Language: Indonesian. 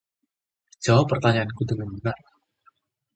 Jawab pertanyaanku dengan benar.